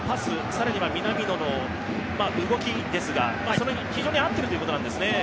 更には南野の動きですが、非常に合ってるということなんですね。